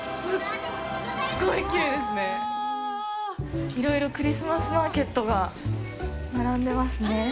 いろいろクリスマスマーケットが並んでますね。